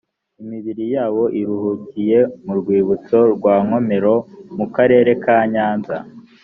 imibiri yabo iruhukiye mu rwibutso rwa nkomero mu karere ka nyanza